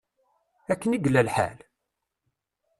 Akken i yella lḥal?